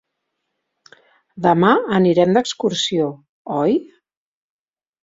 Demà anirem d'excursió, oi?